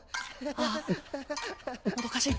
ああもどかしい。